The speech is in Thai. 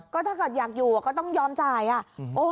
ก็ถ้าเกิดอยากอยู่ก็ต้องยอมจ่ายอ่ะ